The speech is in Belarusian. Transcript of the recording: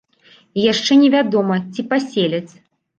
І яшчэ не вядома, ці паселяць.